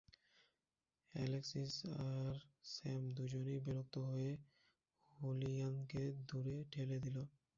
Alexis আর Sam দুজনেই বিরক্ত হয়ে হুলিয়ানকে দূরে ঠেলে দিলো।